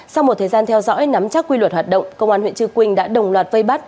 sau một thời gian theo dõi nắm chắc quy luật hoạt động công an huyện trư quynh đã đồng loạt vây bắt